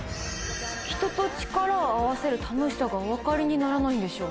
人と力を合わせる楽しさがお分かりにならないんでしょうね。